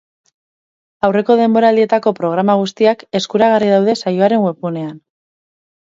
Aurreko denboraldietako programa guztiak eskuragarri daude saioaren webgunean.